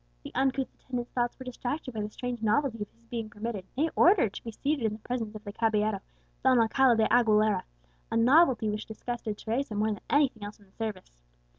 The uncouth attendant's thoughts were distracted by the strange novelty of his being permitted, nay, ordered, to be seated in the presence of the caballero, Don Alcala de Aguilera, a novelty which disgusted Teresa more than anything else in the service.